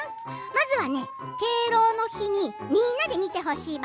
まずはね、敬老の日にみんなで見てほしい番組。